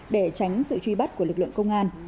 để tránh sự truy bắt của lực lượng công an